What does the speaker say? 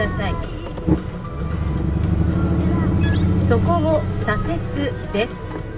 「そこを左折です。